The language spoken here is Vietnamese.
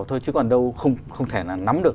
thôi chứ còn đâu không thể là nắm được